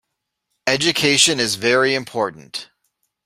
Education is very important.